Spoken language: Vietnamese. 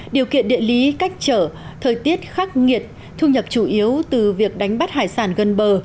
điều kiện địa lý cách trở thời tiết khắc nghiệt thu nhập chủ yếu từ việc đánh bắt hải sản gần bờ